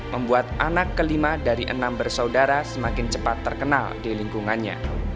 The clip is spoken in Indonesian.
membuat anak kelima dari enam bersaudara semakin cepat terkenal di lingkungannya